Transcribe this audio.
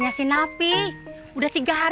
masih mau berapa